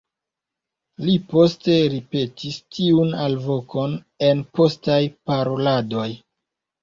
Li poste ripetis tiun alvokon en postaj paroladoj.